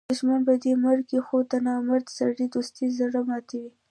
دوښمن به دي مړ کي؛ خو د نامرده سړي دوستي زړه ماتوي.